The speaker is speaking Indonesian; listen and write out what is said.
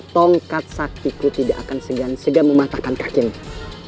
tongkat saktiku tidak akan segan segan mematahkan kakinmu